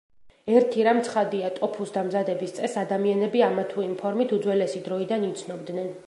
ერთი რამ ცხადია; ტოფუს დამზადების წესს ადამიანები ამა თუ იმ ფორმით უძველესი დროიდან იცნობდნენ.